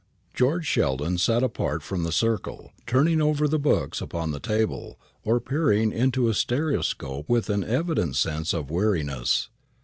George Sheldon sat apart from the circle, turning over the books upon the table, or peering into a stereoscope with an evident sense of weariness.